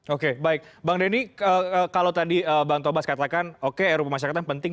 oke baik bang denny kalau tadi bang tobas katakan oke ru pemasyarakatan penting